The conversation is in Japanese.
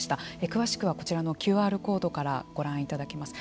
詳しくはこちらのＱＲコードからご覧いただけます。